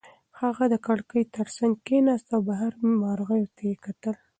هغه د کړکۍ تر څنګ کېناسته او بهرنیو مرغیو ته یې وکتل.